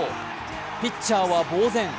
ピッチャーはぼう然。